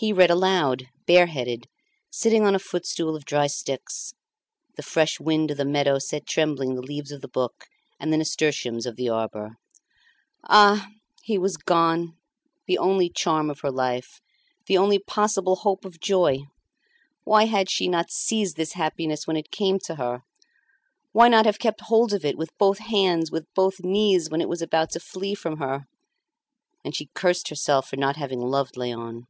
He read aloud, bareheaded, sitting on a footstool of dry sticks; the fresh wind of the meadow set trembling the leaves of the book and the nasturtiums of the arbour. Ah! he was gone, the only charm of her life, the only possible hope of joy. Why had she not seized this happiness when it came to her? Why not have kept hold of it with both hands, with both knees, when it was about to flee from her? And she cursed herself for not having loved Léon.